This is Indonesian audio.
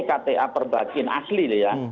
kta perbakin asli ya